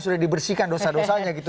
sudah dibersihkan dosa dosanya gitu